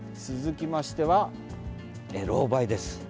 続きましては、ロウバイです。